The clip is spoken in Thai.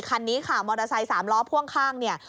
คันนี้ค่ะมอเตอร์ไซค์สามล้อพ่วงข้างเนี่ย